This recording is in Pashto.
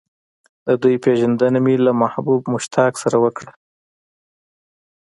د دوی پېژندنه مې له محبوب مشتاق سره وکړه.